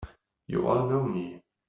You all know me!